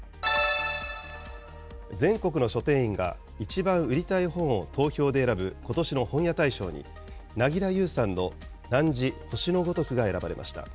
全国の書店員がいちばん売りたい本を投票で選ぶことしの本屋大賞に、凪良ゆうさんの汝、星のごとくが選ばれました。